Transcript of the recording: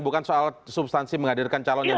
bukan soal substansi menghadirkan calon yang lain